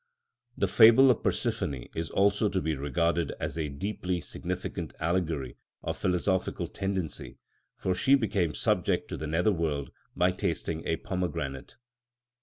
The fable of Persephone is also to be regarded as a deeply significant allegory of philosophical tendency, for she became subject to the nether world by tasting a pomegranate.